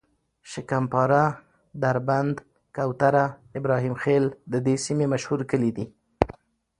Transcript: شکم پاره، دربند، کوتره، ابراهیم خیل د دې سیمې مشهور کلي دي.